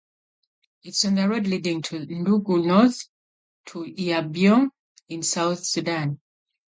It is on the road leading from Dungu north to Yambio in South Sudan.